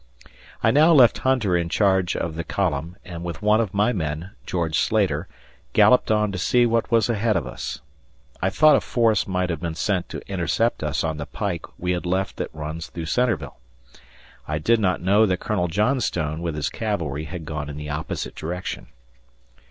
I now left Hunter in charge of the column, and with one of my men, George Slater, galloped on to see what was ahead of us. I thought a force might have been sent to intercept us on the pike we had left that runs through Centreville. I did not know that Colonel Johnstone, with his cavalry, had gone in the opposite direction.